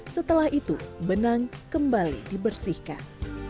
setelah itu benang kembali dibersihkan